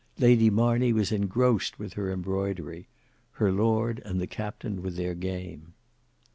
Lady Marney was engrossed with her embroidery; her lord and the captain with their game.